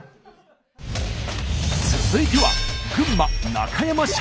続いては群馬中山社員。